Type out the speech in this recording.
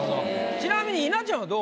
ちなみに稲ちゃんはどう思う？